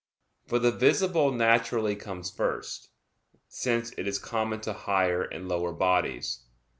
For the visible naturally comes first; since it is common to higher and lower bodies.